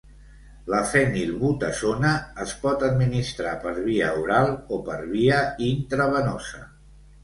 La fenilbutazona es pot administrar per via oral o per via intravenosa.